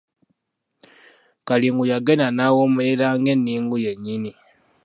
Kalingu yagenda n’awoomerera nga enningu yennyini.